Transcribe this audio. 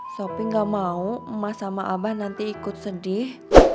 shopping gak mau emas sama abah nanti ikut sedih